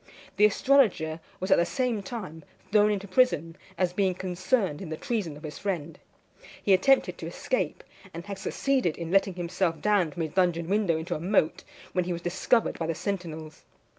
The astrologer was at the same time thrown into prison, as being concerned in the treason of his friend. He attempted to escape, and had succeeded in letting himself down from his dungeon window into a moat, when he was discovered by the sentinels.